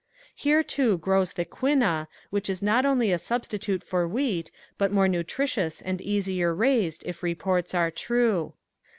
Here too grows the quinna which is not only a substitute for wheat but more nutritious and easier raised if reports are true.